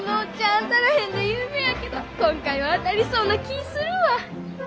当たらへんで有名やけど今回は当たりそうな気ぃするわ！